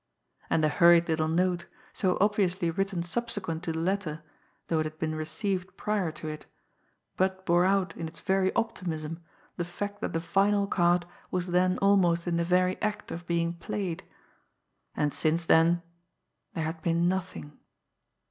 And the hurried little note, so obviously written subsequent to the letter, though it had been received prior to it, but bore out in its very optimism the fact that the final card was then almost in the very act of being played. And since then there had been nothing.